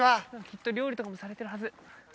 きっと料理とかもされてるはず